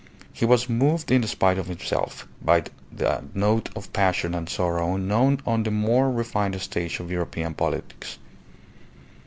He was moved in spite of himself by that note of passion and sorrow unknown on the more refined stage of European politics.